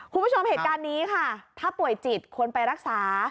คุณผู้ชมเหตุการณ์นี้ค่ะถ้าป่วยจิตควรไปรักษา